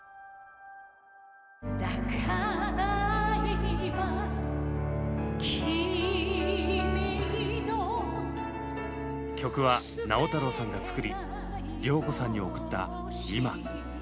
「だから今君の」曲は直太朗さんが作り良子さんに贈った「今」。